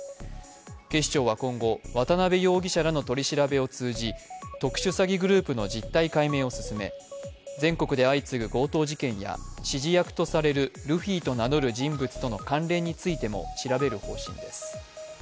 警視庁は今後、渡辺容疑者らの取り調べを通じ特殊詐欺グループの実態解明を進め全国で相次ぐ強盗事件や指示役とされるルフィと名乗る人物との関連についても調べる方針です。